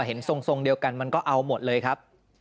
เห็นทรงเดียวกันมันก็เอาหมดเลยครับ